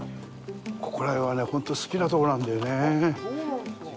ここら辺はね、ほんと好きなとこなんだよねぇ。